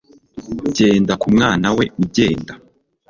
Genda ku mwana we ugenda